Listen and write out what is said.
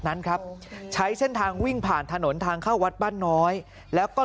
นั้นครับใช้เส้นทางวิ่งผ่านถนนทางเข้าวัดบ้านน้อยแล้วก็